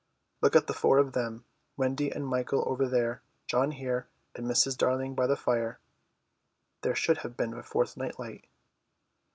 Look at the four of them, Wendy and Michael over there, John here, and Mrs. Darling by the fire. There should have been a fourth night light.